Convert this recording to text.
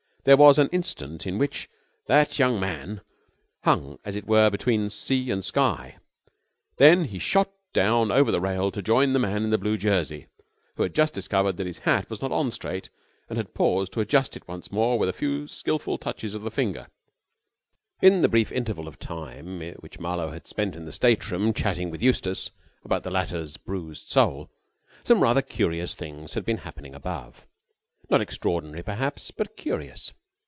There was an instant in which that young man hung, as it were, between sea and sky; then he shot down over the rail to join the man in the blue jersey, who had just discovered that his hat was not on straight and had paused to adjust it once more with a few skilful touches of the finger. In the brief interval of time which Marlowe had spent in the state room, chatting with Eustace about the latter's bruised soul, some rather curious things had been happening above. Not extraordinary, perhaps, but curious.